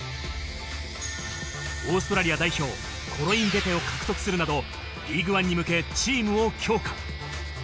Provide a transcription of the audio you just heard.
オーストラリア代表・コロインベテを獲得するなどリーグワンに向けチームを強化。